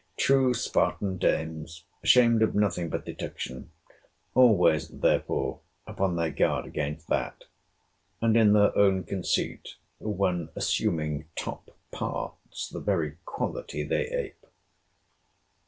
—True Spartan dames; ashamed of nothing but detection—always, therefore, upon their guard against that. And in their own conceit, when assuming top parts, the very quality they ape.